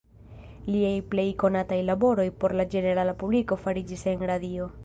Liaj plej konataj laboroj por la ĝenerala publiko fariĝis en radio.